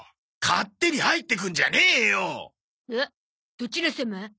どちらさま？